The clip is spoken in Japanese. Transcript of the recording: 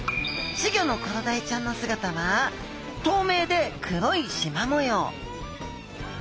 稚魚のコロダイちゃんの姿は透明で黒いしま模様。